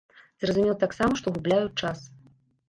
Зразумеў таксама, што губляю час.